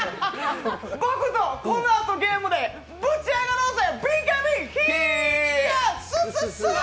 僕とこのあとゲームでぶち上がろうぜ！